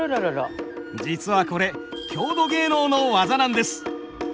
実はこれ郷土芸能の技なんです。